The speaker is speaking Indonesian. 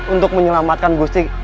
untuk menyelamatkan gusti